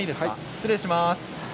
失礼します。